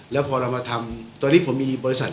แล้วพอเรามาทำตอนนี้ผมมีบริษัท